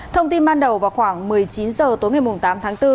thông tin ban đầu vào khoảng một mươi chín h tối ngày tám tháng bốn